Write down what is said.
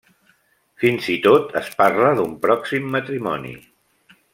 Fins i tot es parla d'un pròxim matrimoni.